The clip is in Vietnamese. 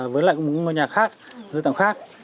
với lại một ngôi nhà khác